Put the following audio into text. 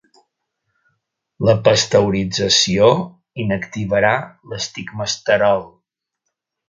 La pasteurització inactivarà l'estigmasterol.